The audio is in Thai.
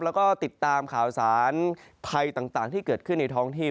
แล้วก็ติดตามข่าวสารภัยต่างที่เกิดขึ้นในท้องที่